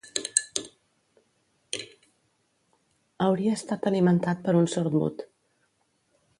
Hauria estat alimentat per un sordmut.